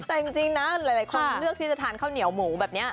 แต่จริงนะหลายคนเลือกที่จะทานข้าวเหนียวหมูแบบนี้